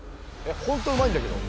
ほんとうまいんだけど。